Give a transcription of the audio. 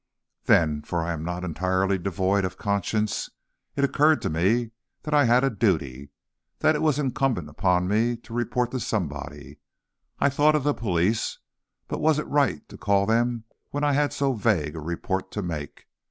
Then, for I am not entirely devoid of conscience, it occurred to me that I had a duty, that it was incumbent upon me to report to somebody. I thought of the police, but was it right to call them when I had so vague a report to make?